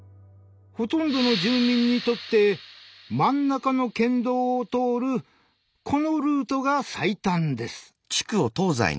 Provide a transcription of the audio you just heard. ほとんどの住民にとって真ん中の県道を通るこのルートが最短です。